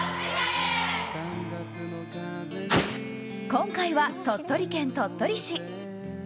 今回は鳥取県鳥取市。